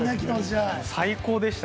最高でした。